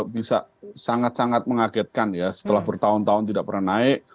bisa sangat sangat mengagetkan ya setelah bertahun tahun tidak pernah naik